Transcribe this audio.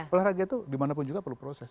olahraga itu dimanapun juga perlu proses